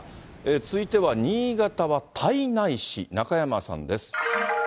続いては新潟は胎内市、中山さんです。